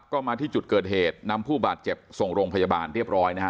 ก็มาที่จุดเกิดเหตุนำผู้บาดเจ็บส่งโรงพยาบาลเรียบร้อยนะฮะ